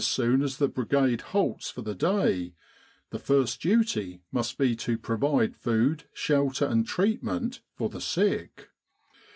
soon as the Brigade halts for the day the first duty must be to provide food, shelter, and treatment fgr the sick.